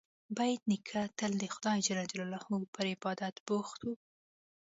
بېټ نیکه تل د خدای جل جلاله پر عبادت بوخت و.